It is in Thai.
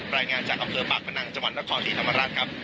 รายงานจากอัพเฟอร์ปากประนังจังหวันละครศรีธรรมรัฐครับ